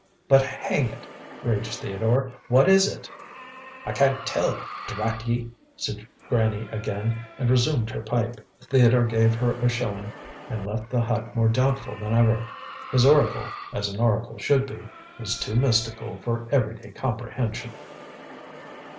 "But hang it!" raged Theodore, "what is It?" "I can't tell, drat ye!" said Granny again, and resumed her pipe. Theodore gave her a shilling and left the hut more doubtful than ever. His Oracle, as an Oracle should be, was too mystical for every day comprehension.